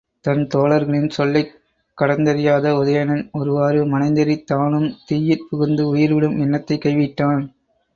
தன் தோழர்களின் சொல்லைக் கடந்தறியாத உதயணன் ஒருவாறு மனந்தேறித் தானும் தீயிற் புகுந்து உயிர்விடும் எண்ணத்தைக் கை விட்டான்.